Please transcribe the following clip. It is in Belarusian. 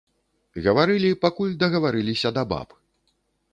Гаварылі, пакуль дагаварыліся да баб.